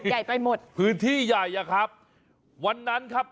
ใหญ่ไปหมดพื้นที่ใหญ่อะครับวันนั้นครับ